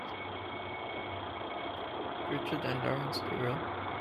Pritchett and Lawrence Durrell.